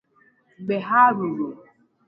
Mgbe ha ruru